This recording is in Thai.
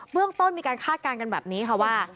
เรื่องต้นมีการคาดการณ์กันแบบนี้ค่ะว่า